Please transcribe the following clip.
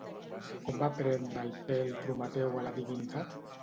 Com va prendre el pèl Prometeu a la divinitat?